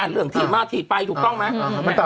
เหลืองถีดมาถีดไปถูกต้องไหม